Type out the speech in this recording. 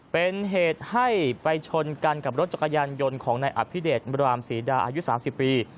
เป็นเหตุให้ไปชนกันกับรถจักรยานยนต์ของนายอภิเดชบรามศรีดาอายุ๓๐ปี